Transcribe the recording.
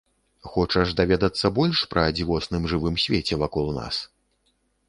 Хочаш даведацца больш пра дзівосным жывым свеце вакол нас?